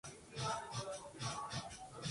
Louis fue enviado a San Antonio.